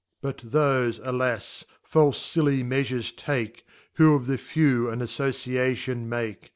But thofe, alas, falle fiHy meafures take, Who of the Few an * Afloeiatlon make.